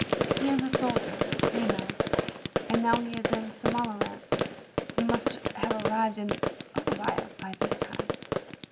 He is a soldier, you know, and now he is in Somaliland. He must have arrived in Obbia by this time.